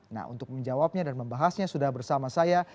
nah untuk menjawabnya dan membahasnya sudah bersama saya